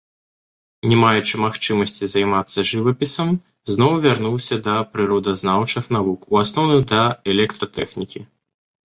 Не маючы магчымасці займацца жывапісам, зноў звярнуўся да прыродазнаўчых навук, у асноўным, да электратэхнікі.